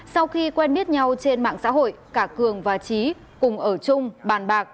sau khi quen biết nhau trên mạng xã hội cả cường và trí cùng ở chung bàn bạc